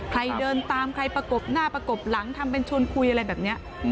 ใครเดินตามใครประกบหน้าประกบหลังทำเป็นชวนคุยอะไรแบบนี้